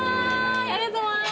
ありがとうございます。